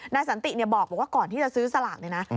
สันติบอกว่าก่อนที่จะซื้อสลากเนี่ยนะ